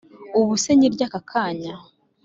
ubuse nyirye aka kanya